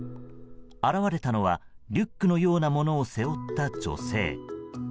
現れたのはリュックのようなものを背負った女性。